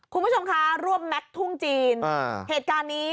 คุณผู้ชมคะร่วมแม็กซ์ทุ่งจีนเหตุการณ์นี้